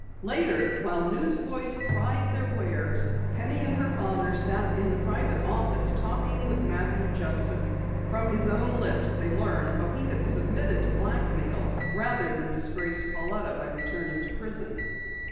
Later, while newsboys cried their wares, Penny and her father sat in the private office, talking with Matthew Judson. From his own lips they learned how he had submitted to blackmail rather than disgrace Pauletta by returning to prison.